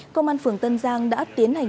công an phường tân giang đã tiến hành